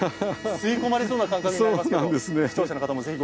吸い込まれそうな感覚になります。